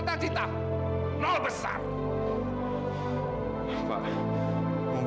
bisa aku ditutupi seperti itu